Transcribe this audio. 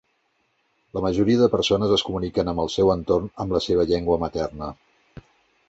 La majoria de persones es comuniquen amb el seu entorn amb la seva llengua materna.